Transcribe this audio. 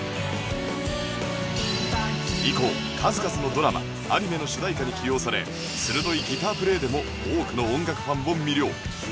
以降数々のドラマアニメの主題歌に起用され鋭いギタープレイでも多くの音楽ファンを魅了